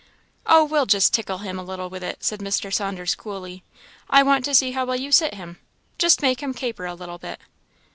"Oh, we'll just tickle him a little with it," said Mr. Saunders, coolly "I want to see how well you'll sit him just make him caper a little bit."